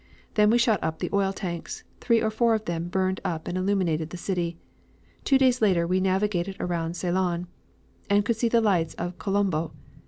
Then we shot up the oil tanks; three or four of them burned up and illuminated the city. Two days later we navigated around Ceylon, and could see the lights of Colombo.